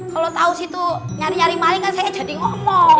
kalau tahu situ nyari nyari maling kan saya jadi ngomong